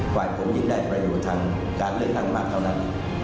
ฝ่ายผมยิ่งได้ประโยชน์ทางการเลือกตั้งมากเท่านั้น